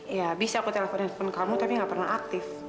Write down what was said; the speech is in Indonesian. ya bisa aku telepon telepon kamu tapi nggak pernah aktif